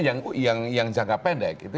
makanya yang jangka pendek